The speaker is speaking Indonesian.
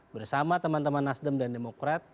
bersama teman teman nasdem dan demokrat